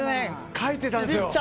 書いてたんですよ。